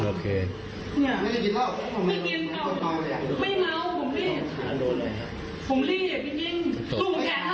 รับลูก